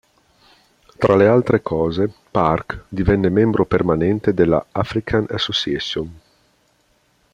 Tra le altre cose, Park divenne membro permanente della "African Association".